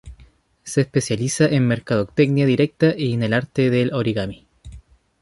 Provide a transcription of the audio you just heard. Se especializa en mercadotecnia directa y en el arte del origami.